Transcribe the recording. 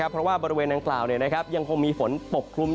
เพราะว่าบริเวณน้ำกล่าวยังคงมีฝนปกครุมอยู่